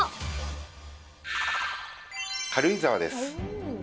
軽井沢です。